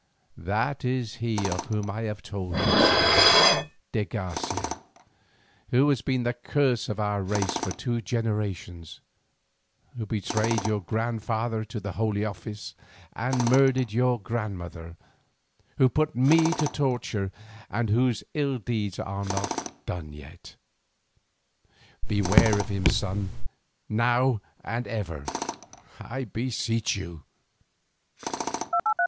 "That is he of whom I have told you, son, de Garcia, who has been the curse of our race for two generations, who betrayed your grandfather to the Holy Office, and murdered your grandmother, who put me to torture, and whose ill deeds are not done with yet. Beware of him, son, now and ever, I beseech you."